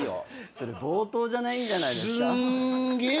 それ冒頭じゃないんじゃないですか？